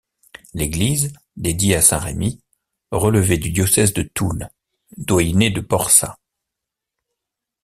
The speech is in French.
L'église, dédiée à saint Remi, relevait du diocèse de Toul, doyenné de Porsas.